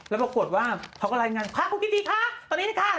แล้วปรากฏว่าเขาก็รายงานพระคุณยินดีค่ะตอนนี้ดีค่ะ